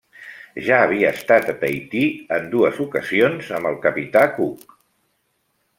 Ja havia estat a Tahití en dues ocasions amb el capità Cook.